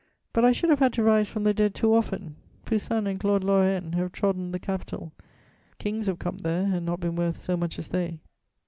But I should have had to rise from the dead too often. Poussin and Claude Lorraine have trodden the Capitol; kings have come there and not been worth so much as they.